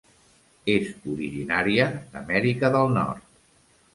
És originària d'Amèrica del Nord.